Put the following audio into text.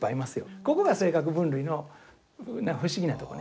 ここが性格分類の不思議なとこね。